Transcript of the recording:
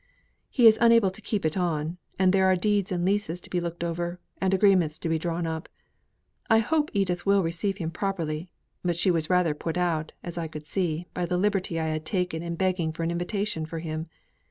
He is unable to keep it on; and there are deeds and leases to be looked over and agreements to be drawn up. I hope Edith will receive him properly; but she was rather put out, as I could see, by the liberty I had taken in begging for an invitation for him.